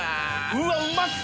うわうまそっ！